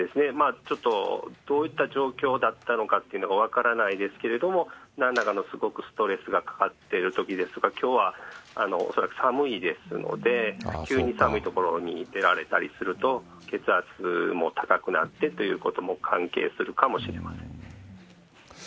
ちょっとどういった状況だったのかっていうのが分からないですけれども、なんらかのすごくストレスがかかっているときですとか、きょうは恐らく寒いですので、急に寒い所に出られたりすると、血圧も高くなってということも関係するかもしれません。